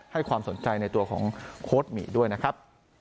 ให้ความสนใจในตัวของโค้ดหมีด้วยนะครับ